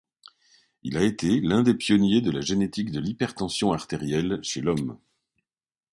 Il a été l'un des pionniers de la génétique de l'hypertension artérielle chez l'homme.